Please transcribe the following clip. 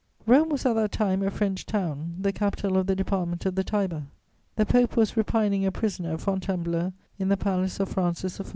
Rome was at that time a French town, the capital of the Department of the Tiber. The Pope was repining a prisoner at Fontainebleau, in the palace of Francis I.